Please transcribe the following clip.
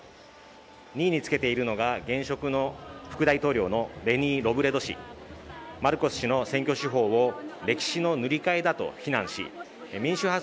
２位につけているのが現職の副大統領のレニー・ロブレド氏マルコス氏の選挙手法を歴史の塗り替えだと非難し民主派